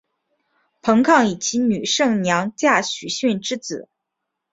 彭抗以其女胜娘嫁许逊之子。